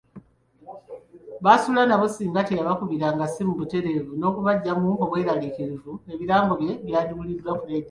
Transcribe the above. Baasula nabo singa teyabakubiranga ssimu butereevu n’okubaggyamu obweraliikirivu, birango bye byandiwuliddwa ku Laadiyo.